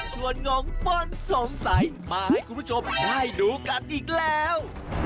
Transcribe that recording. ส่วนงงป้นสงสัยมาให้คุณผู้ชมได้ดูกันอีกแล้ว